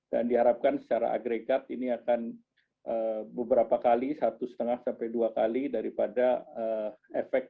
dan diharapkan secara agregat ini akan beberapa kali satu setengah sampai dua kali daripada efek